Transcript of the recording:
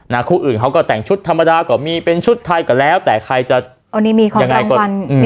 นะครูอื่นเขาก็แต่งชุดธรรมดากว่ามีเป็นชุดไทยก็แล้วแต่ใครจะอันนี้มีของจังหวันอืม